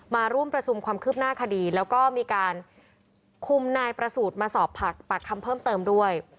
มาร่วมประชุมความคืบหน้าคดีแล้วก็มีการคุมนายประสูจน์มาสอบปากคำเพิ่มเติมด้วย